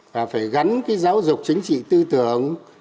và phải gắn giáo dục chính trị tư tưởng